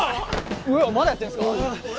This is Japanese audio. うわっまだやってるんですか？